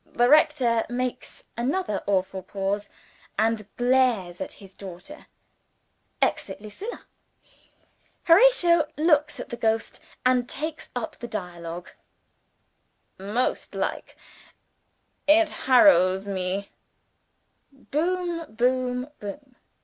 The rector makes another awful pause, and glares at his daughter. (Exit Lucilla.) Horatio looks at the Ghost, and takes up the dialogue: "Most like; it harrows me " Boom boom boom.